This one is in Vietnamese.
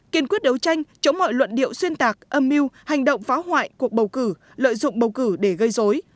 kiên quyết đấu tranh chống mọi luận điệu xuyên tạc âm mưu hành động phá hoại cuộc bầu cử lợi dụng bầu cử để gây dối